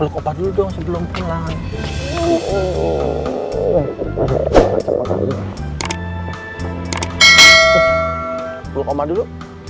sepuluh koma dulu